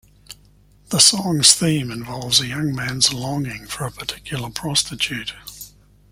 The song's theme involves a young man's longing for a particular prostitute.